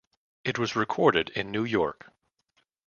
It was recorded in New York.